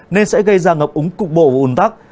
nên sẽ gây ra ngập úng cục bộ và ủn tắc